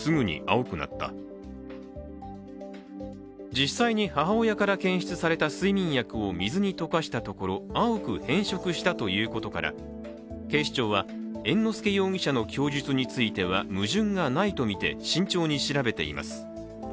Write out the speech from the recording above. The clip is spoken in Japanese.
実際に母親から検出された睡眠薬を水に溶かしたところ青く変色したということから警視庁は猿之助容疑者の供述については矛盾がないとみて慎重に調べています。